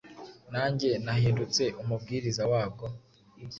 Nanjye nahindutse umubwiriza wabwo…